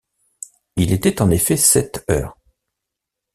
Il était en effet sept heures.